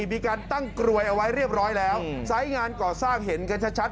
มีการตั้งกลวยเอาไว้เรียบร้อยแล้วสายงานก่อสร้างเห็นกันชัด